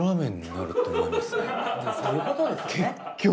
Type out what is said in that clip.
結局。